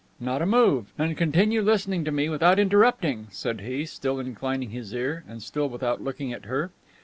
"Not a move. And continue listening to me without interrupting," said he, still inclining his ear, and still without looking at her.